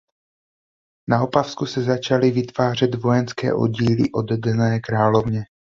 Na Opavsku se začaly vytvářet vojenské oddíly oddané královně.